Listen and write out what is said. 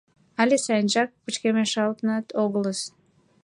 Але сайынжак пычкемышалтынат огылыс?